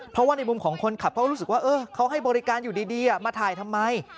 เพราะว่าในมุมของคนขับเขาก็รู้สึกว่าเขาให้บริการอยู่ดีมาถ่ายทำไม